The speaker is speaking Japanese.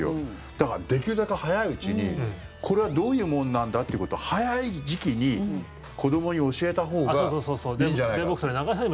だから、できるだけ早いうちにこれはどういうもんなんだっていうことを早い時期に子どもに教えたほうがいいんじゃないか。